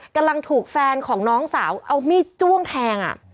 กำลังถูกแฟนของน้องสาวเอามีดจ้วงแทง